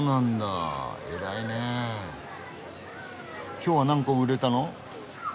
きょうは何個売れたの？